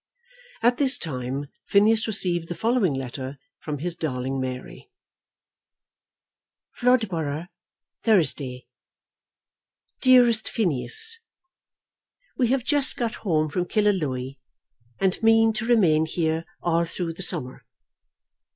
At this time Phineas received the following letter from his darling Mary: Floodborough, Thursday. DEAREST PHINEAS, We have just got home from Killaloe, and mean to remain here all through the summer.